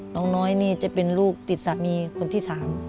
น้องน้อยนี่จะเป็นลูกติดสามีคนที่๓